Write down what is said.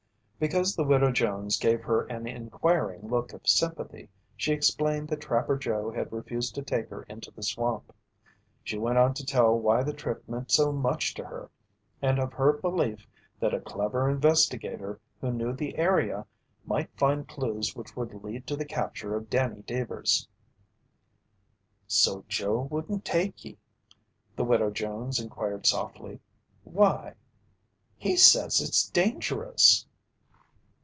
Because the Widow Jones gave her an inquiring look of sympathy, she explained that Trapper Joe had refused to take her into the swamp. She went on to tell why the trip meant so much to her, and of her belief that a clever investigator who knew the area might find clues which would lead to the capture of Danny Deevers. "So Joe wouldn't take ye?" the Widow Jones inquired softly. "Why?" "He says it's dangerous."